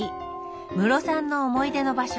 ムロさんの思い出の場所